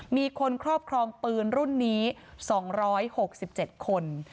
มีคนครอบครองปืนรุ่นนี้๒๖๗คน